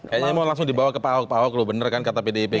kayaknya mau langsung dibawa ke pak ahok pak ahok loh bener kan kata pdip